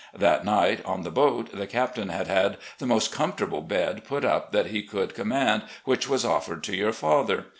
That night on the boat the Captain had had the most comfortable bed put up that he could com mand, which was offered to your father.